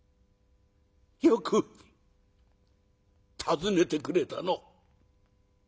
よく訪ねてくれたのう。